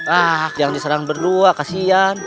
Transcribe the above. ah jangan diserang berdua kasihan